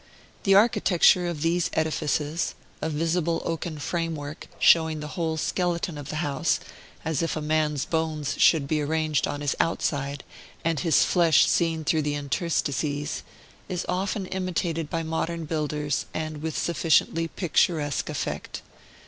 The architecture of these edifices (a visible oaken framework, showing the whole skeleton of the house, as if a man's bones should be arranged on his outside, and his flesh seen through the interstices) is often imitated by modern builders, and with sufficiently picturesque effect.